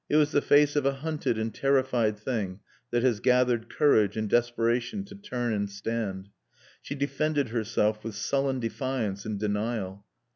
It was the face of a hunted and terrified thing that has gathered courage in desperation to turn and stand. She defended herself with sullen defiance and denial.